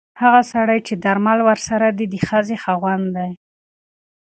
هغه سړی چې درمل ورسره دي د ښځې خاوند دی.